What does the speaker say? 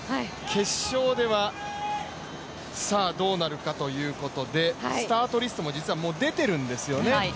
決勝ではどうなるかということでスタートリストも出ているんですよね。